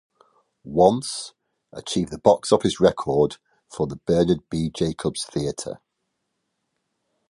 "Once" achieved the box office record for the Bernard B. Jacobs Theatre.